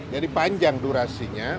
jadi panjang durasinya